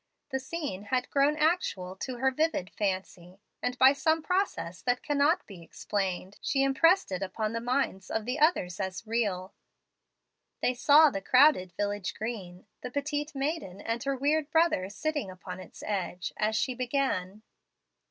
The scene had grown actual to her vivid fancy, and by some process that cannot be explained she impressed it upon the minds of the others as real. They saw the crowded village green, the petite maiden and her weird brother sitting upon its edge, as she began.